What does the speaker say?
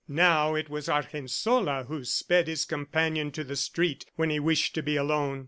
Now it was Argensola who sped his companion to the street when he wished to be alone.